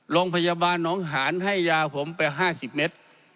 โรงพยาบาลน้องหานให้ยาผมไป๕๐เมตร